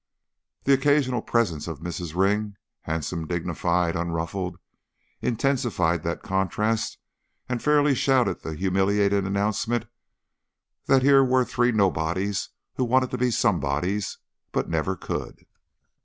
The occasional presence of Mrs. Ring, handsome, dignified, unruffled, intensified that contrast and fairly shouted the humiliating announcement that here were three nobodies who wanted to be somebodies, but never could.